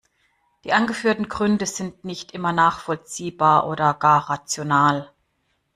Die angeführten Gründe sind nicht immer nachvollziehbar oder gar rational.